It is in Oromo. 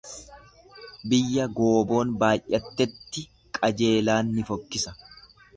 Biyya gooboon baay'attetti qajeelaan ni fokkisa.